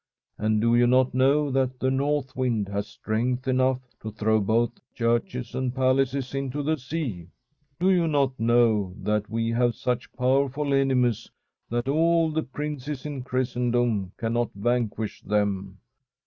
And do you not know that the north wind has strength enough to throw both From a SfFEDISH HOMESTEAD churches and palaces into the sea ? Do you not know that we have such powerful enemies, that all the princes in Christendom cannot vanquish them